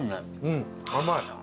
うん甘い。